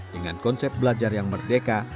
dengan konsep belajar yang merdeka